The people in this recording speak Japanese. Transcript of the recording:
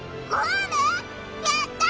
やった！